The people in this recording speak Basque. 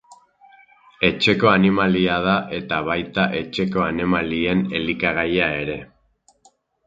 Etxeko animalia da eta baita etxeko animalien elikagaia ere.